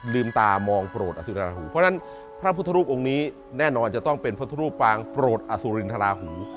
ตามองโปรดอสุราหูเพราะฉะนั้นพระพุทธรูปองค์นี้แน่นอนจะต้องเป็นพุทธรูปปางโปรดอสุรินทราหู